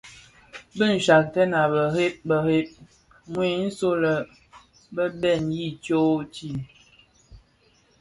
Bi nshyakten a bërëg bërëg wui nso lè bi bèň i tsoň tii.